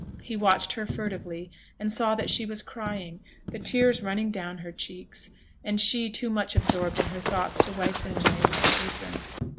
He watched her furtively, and saw that she was crying, the tears running down her cheeks, and she too much absorbed in her thoughts to wipe them away with her apron.